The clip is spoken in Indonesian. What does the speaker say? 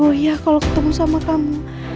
aku pasti akan goya kalau ketemu sama kamu